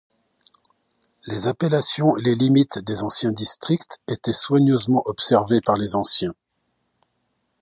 Les appellations et les limites des anciens districts étaient soigneusement observées par les Anciens.